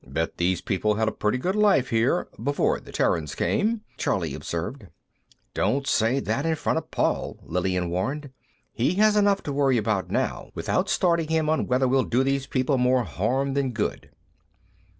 "Bet these people had a pretty good life, here before the Terrans came," Charley observed. "Don't say that in front of Paul," Lillian warned. "He has enough to worry about now, without starting him on whether we'll do these people more harm than good."